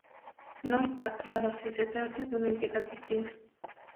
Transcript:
No está claro si se trata de una entidad distinta.